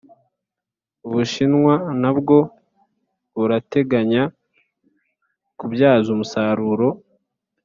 Bushinwa nabwo burateganya kubyaza umusaruro